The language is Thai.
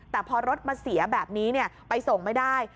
แต่พอรถมาเสียแบบนี้ไปส่งไม่ได้